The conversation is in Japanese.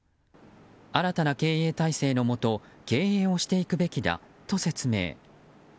新たな経営体制のもと経営をしていくべきだと説明。